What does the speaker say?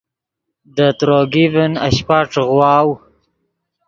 دے تروگی ڤین اشپہ ݯیغواؤ